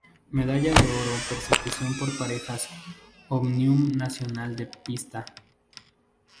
Medalla de oro persecución por parejas omnium nacional de pista.